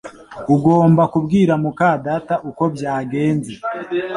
Ugomba kubwira muka data uko byagenze